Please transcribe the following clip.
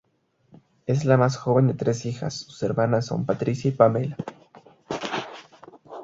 Es la más joven de tres hijas: sus hermanas son Patricia y Pamela.